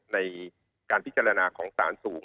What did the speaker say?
ในการพิจารณาของสารสูง